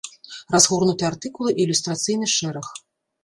Разгорнутыя артыкулы і ілюстрацыйны шэраг.